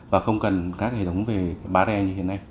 và không cần các hệ thống về barrier như hiện nay